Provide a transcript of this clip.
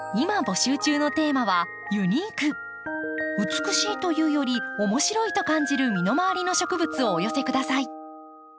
美しいというより面白いと感じる身の回りの植物をお寄せ下さい。